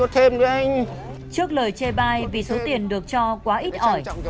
trước lời chê bai vì số tiền được cho quá ít ỏi